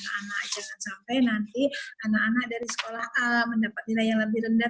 anak jangan sampai nanti anak anak dari sekolah a mendapat nilai yang lebih rendah